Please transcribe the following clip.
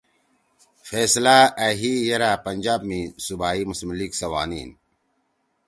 فیصلہ أ ہی یرأ پنجاب می صوبائی مسلم لیگ سوانیِن